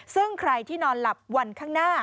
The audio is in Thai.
ซึ่งใครที่นอนหลับวันข้างหน้า